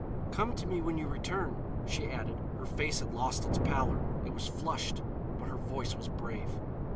"Come to me when you return," she added. Her face had lost its pallor, it was flushed, but her voice was brave.